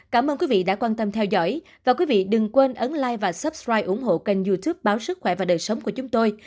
cảm ơn quý vị đã quan tâm theo dõi và quý vị đừng quên ấn lai và sup sri ủng hộ kênh youtube báo sức khỏe và đời sống của chúng tôi